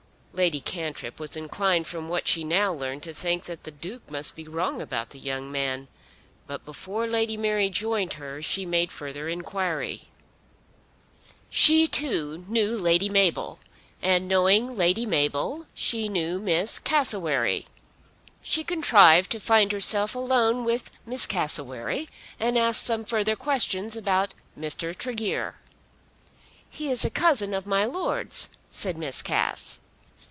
Lady Cantrip was inclined from what she now learned to think that the Duke must be wrong about the young man. But before Lady Mary joined her she made further inquiry. She too knew Lady Mabel, and knowing Lady Mabel, she knew Miss Cassewary. She contrived to find herself alone with Miss Cassewary, and asked some further questions about Mr. Tregear. "He is a cousin of my Lord's," said Miss Cass.